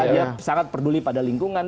dia sangat peduli pada lingkungan